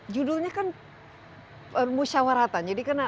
judulnya kan musyawaratan